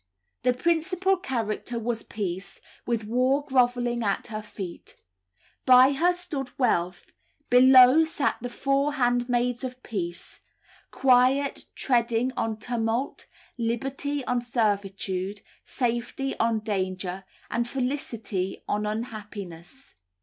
The principal character was Peace, with War grovelling at her feet; by her stood Wealth; below sat the four handmaids of Peace, Quiet treading on Tumult, Liberty on Servitude, Safety on Danger, and Felicity on Unhappiness.